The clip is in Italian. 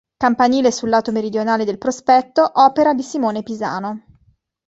Campanile sul lato meridionale del prospetto, opera di Simone Pisano.